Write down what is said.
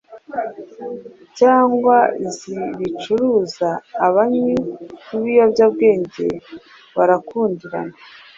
cyangwa zibicuruza. Abanywi b’ibiyobyabwenge barakundirana